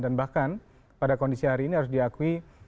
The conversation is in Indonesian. dan bahkan pada kondisi hari ini harus diakui